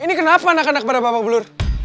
ini kenapa anak anak pada bapak belur